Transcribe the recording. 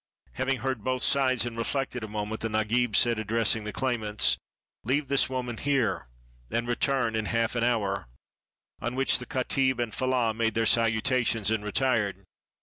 Having heard both sides and reflected a moment, the Nagib said, addressing the claimants, "Leave this wo man here, and return in half an hour"; on which the katih and fellah made their salutations and retired.